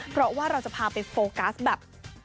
เพราะว่าเราจะพาไปโฟกัสแบบ